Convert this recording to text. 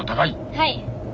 はい。